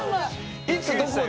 いつどこで？